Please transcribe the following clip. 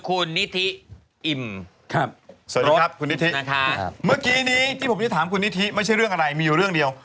วันนั้นเกิดมีการปล้นปืนขึ้นที่